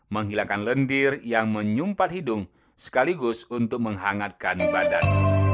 menghilangkan lendir yang menyumpan hidung sekaligus untuk menghangatkan badan